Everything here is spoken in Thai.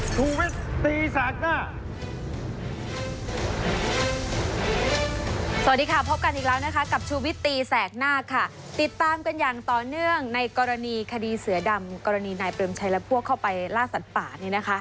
สวัสดีค่ะพบกันอีกแล้วนะคะกับชูวิตตีแสกหน้าค่ะติดตามกันอย่างต่อเนื่องในกรณีคดีเสือดำกรณีนายเปรมชัยและพวกเข้าไปล่าสัตว์ป่านี่นะคะ